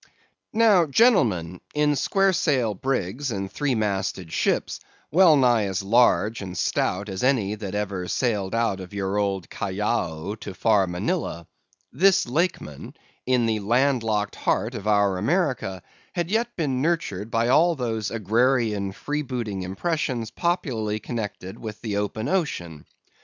Now, gentlemen, in square sail brigs and three masted ships, well nigh as large and stout as any that ever sailed out of your old Callao to far Manilla; this Lakeman, in the land locked heart of our America, had yet been nurtured by all those agrarian freebooting impressions popularly connected with the open ocean.